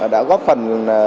đã góp phần